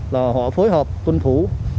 là họ phối hợp tuân thủ